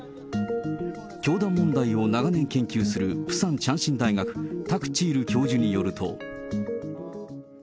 教団問題を長年研究する、プサンチャンシン大学、タク・チイル教授によると。